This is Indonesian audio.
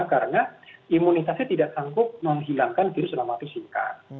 karena imunitasnya tidak sanggup menghilangkan virus dalam waktu singkat